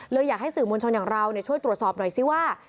อยากให้สื่อมวลชนอย่างเราช่วยตรวจสอบหน่อยซิว่า